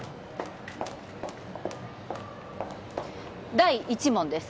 第１問です